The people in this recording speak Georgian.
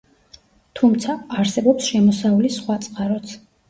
თუმცა, არსებობს შემოსავლის სხვა წყაროც.